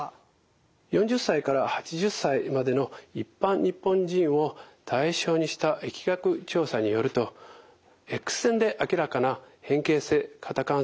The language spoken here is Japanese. ４０歳から８０歳までの一般日本人を対象にした疫学調査によるとＸ線で明らかな変形性肩関節症の有病率は１７．４％でした。